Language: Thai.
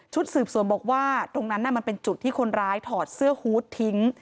สืบสวนบอกว่าตรงนั้นมันเป็นจุดที่คนร้ายถอดเสื้อฮูตทิ้ง